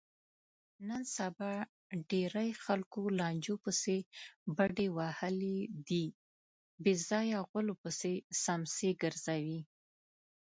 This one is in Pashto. نن سبا ډېری خلکو لانجو پسې بډې وهلي دي، بېځایه غولو پسې څمڅې ګرځوي.